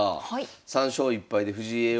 ３勝１敗で藤井叡王